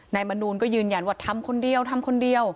มนูลก็ยืนยันว่าทำคนเดียวทำคนเดียว